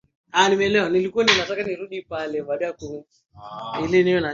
aya ya thelathini na saba hadi thelathini na nane